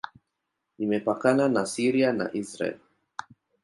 Imepakana na Syria na Israel.